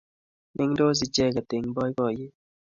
Meng'ndos icheket eng' poipoiyet